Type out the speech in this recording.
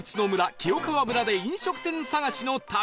清川村で飲食店探しの旅